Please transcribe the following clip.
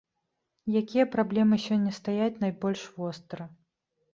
Якія праблемы сёння стаяць найбольш востра?